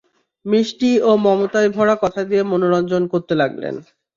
মিষ্টি ও মমতায় ভরা কথা দিয়ে মনোরঞ্জন করতে লাগলেন।